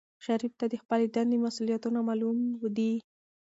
شریف ته د خپلې دندې مسؤولیتونه معلوم دي.